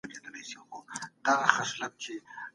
مساوات د سولي او ارامۍ لامل کیږي.